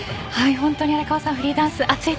本当に荒川さん